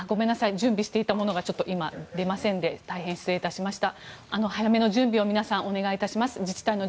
準備していたものが今、出ませんで大変失礼いたしました。